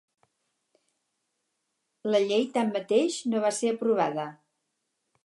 La llei, tanmateix, no va ser aprovada.